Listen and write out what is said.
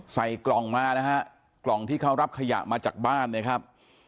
ใส่กล่องมานะฮะกล่องที่เขารับขยะมาจากบ้านนะครับ